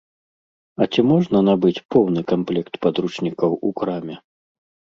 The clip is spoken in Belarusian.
А ці можна набыць поўны камплект падручнікаў у краме?